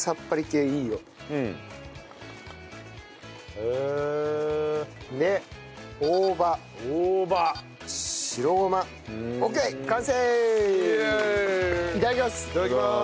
いただきます。